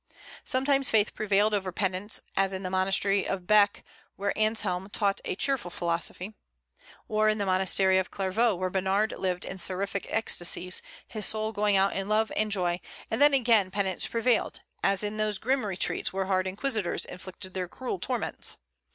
Sometimes faith prevailed over penance, as in the monastery of Bec, where Anselm taught a cheerful philosophy, or in the monastery of Clairvaux, where Bernard lived in seraphic ecstasies, his soul going out in love and joy; and then again penance prevailed, as in those grim retreats where hard inquisitors inflicted their cruel torments.